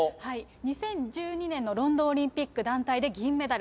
２０１０年のロンドンオリンピック団体で銀メダル。